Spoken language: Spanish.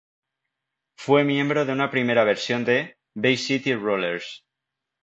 Fue miembro de una primera versión de Bay City Rollers.